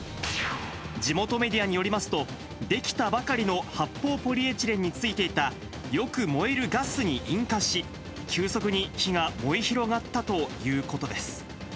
地元メディアによりますと、出来たばかりの発泡ポリエチレンについていたよく燃えるガスに引火し、急速に火が燃え広がったということです。